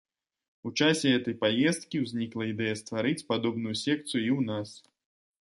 У часе гэтай паездкі ўзнікла ідэя стварыць падобную секцыю і ў нас.